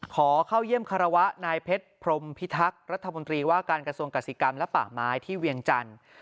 ขอเข้าเยี่ยมคารวะนายเพชรพรมพิทักษ์รัฐมนตรีว่าการกระทรวงกสิกรรมและป่าไม้ที่เวียงจันทร์